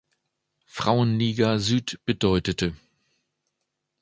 Frauenliga Süd bedeutete.